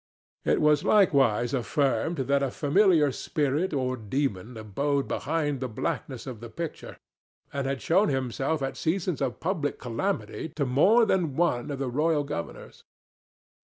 It was likewise affirmed that a familiar spirit or demon abode behind the blackness of the picture, and had shown himself at seasons of public calamity to more than one of the royal governors.